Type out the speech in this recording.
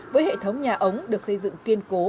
với hệ thống nhà ống được xây dựng kiên cố